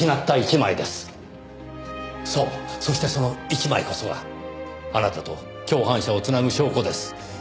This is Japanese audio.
そうそしてその１枚こそがあなたと共犯者を繋ぐ証拠です。